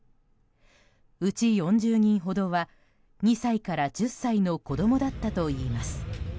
うち４０人ほどは２歳から１０歳の子供だったといいます。